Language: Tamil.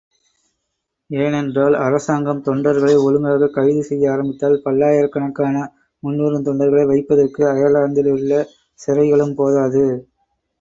ஏனென்றால் அரசாங்கம் தொண்டர்களை ஒழுங்காகக் கைது செய்ய ஆரம்பித்தால் பல்லாயிரக்கணக்காக முன்வரும் தொண்டர்களை வைப்பதற்கு அயர்லாந்திலுள்ள சிறைகளும் போதாது.